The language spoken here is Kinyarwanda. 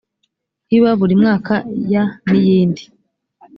iba buri mwaka ya ni iyindi